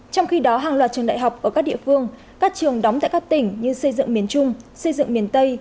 trong khi đó hàng loạt trường đại học ở các địa phương các trường đóng tại các tỉnh như xây dựng miền trung xây dựng miền tây